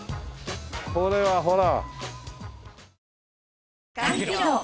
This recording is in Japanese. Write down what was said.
これはほら。